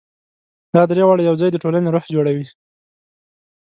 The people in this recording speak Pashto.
دا درې واړه یو ځای د ټولنې روح جوړوي.